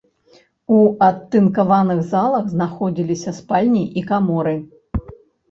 У адтынкаваных залах знаходзіліся спальні і каморы.